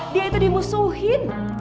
dia itu dimusuhin